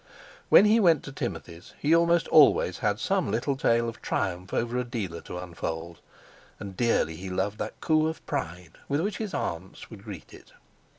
When he went to Timothy's he almost always had some little tale of triumph over a dealer to unfold, and dearly he loved that coo of pride with which his aunts would greet it.